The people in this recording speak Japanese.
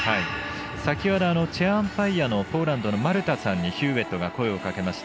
先ほどチェアアンパイアのマルタさんにヒューウェットが声をかけました。